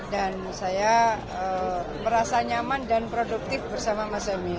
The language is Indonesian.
dan saya merasa nyaman dan produktif bersama mas emil